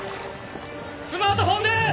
スマートフォンです！